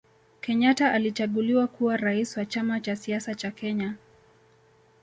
Kenyata alichaguliwa kuwa rais wa chama cha siasa cha kenya